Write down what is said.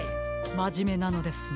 まじめなのですね。